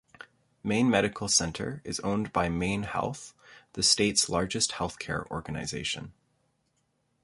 Maine Medical Center is owned by MaineHealth, the state's largest healthcare organization.